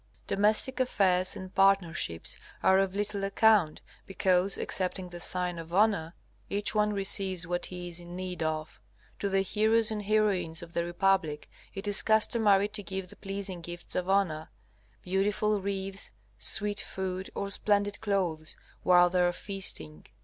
Domestic affairs and partnerships are of little account, because, excepting the sign of honor, each one receives what he is in need of. To the heroes and heroines of the republic, it is customary to give the pleasing gifts of honor, beautiful wreaths, sweet food, or splendid clothes, while they are feasting.